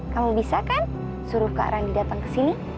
kamu bisa kan suruh kak randy datang kesini